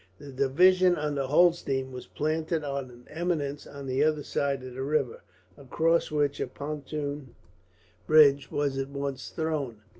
The division under Holstein was planted on an eminence on the other side of the river, across which a pontoon bridge was at once thrown.